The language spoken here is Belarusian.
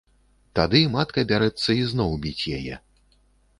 Тады матка бярэцца ізноў біць яе.